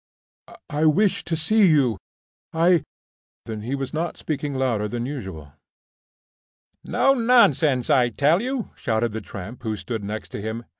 "I wished to see you I " He was not speaking louder than usual. "No; nonsense, I tell you!" shouted the tramp who stood next to him.